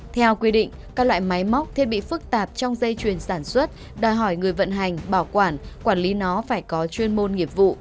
theo quy định các loại máy móc thiết bị phức tạp trong dây chuyền sản xuất đòi hỏi người vận hành bảo quản quản lý nó phải có chuyên môn nghiệp vụ